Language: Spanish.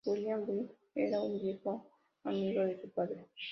William Fairbairn era un viejo amigo de su padre.